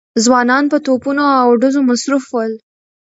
ځوانان په توپونو او ډزو مصروف ول.